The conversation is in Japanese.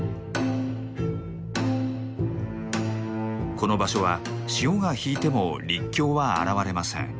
この場所は潮が引いても陸橋は現れません。